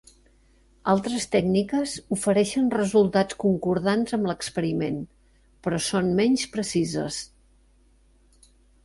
Altres tècniques ofereixen resultats concordants amb l'experiment, però són menys precises.